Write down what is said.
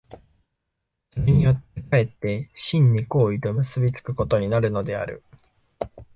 それによって却って真に行為と結び付くことになるのである。